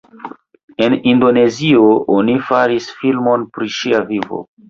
En Indonezio oni faris filmon pri ŝia vivo.